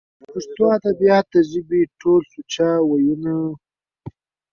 پښتو ادبيات د ژبې ټول سوچه وييونو